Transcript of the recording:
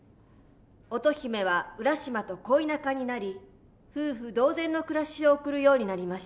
乙姫は浦島と恋仲になり夫婦同然の暮らしを送るようになりました。